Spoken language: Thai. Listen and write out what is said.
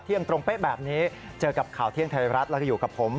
เที่ยงตรงเป๊ะแบบนี้เจอกับข่าวเที่ยงไทยรัฐแล้วก็อยู่กับผม